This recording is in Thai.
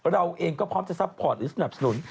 เราเองก็พร้อมจะซัพพอร์ตหรือสนับสนุน